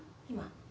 今。